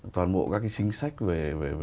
toàn bộ các cái chính sách về